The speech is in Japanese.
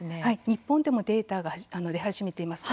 日本でもデータが出始めています。